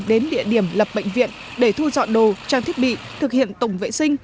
đến địa điểm lập bệnh viện để thu dọn đồ trang thiết bị thực hiện tổng vệ sinh